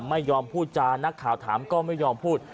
ไม่ยอมพูดจานักข่าวถามก็ไม่ยอมพูด